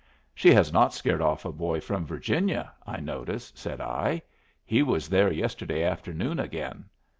"She has not scared off a boy from Virginia, I notice," said I. "He was there yesterday afternoon again.